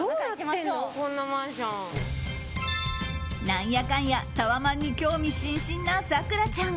何やかんやタワマンに興味津々な咲楽ちゃん。